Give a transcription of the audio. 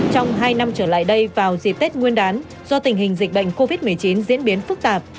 trong hai năm trở lại đây vào dịp tết nguyên đán do tình hình dịch bệnh covid một mươi chín diễn biến phức tạp